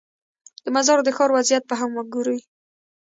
د مزار د ښار وضعیت به هم وګورې.